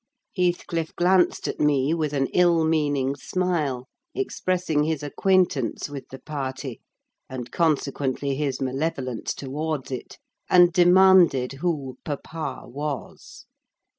Heathcliff glanced at me with an ill meaning smile, expressing his acquaintance with the party, and, consequently, his malevolence towards it, and demanded who "papa" was?